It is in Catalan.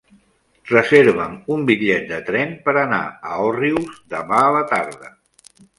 Reserva'm un bitllet de tren per anar a Òrrius demà a la tarda.